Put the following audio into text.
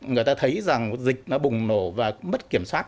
người ta thấy rằng dịch nó bùng nổ và mất kiểm soát